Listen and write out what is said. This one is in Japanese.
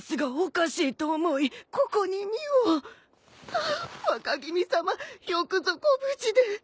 ああ若君さまよくぞご無事で！